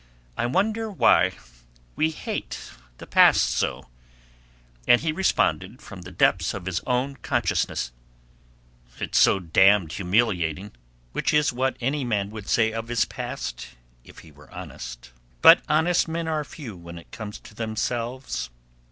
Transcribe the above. "I wonder why we hate the past so," and he responded from the depths of his own consciousness, "It's so damned humiliating," which is what any man would say of his past if he were honest; but honest men are few when it comes to themselves.